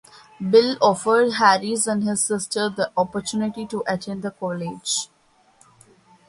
Bill offered Harris and his sister the opportunity to attend college.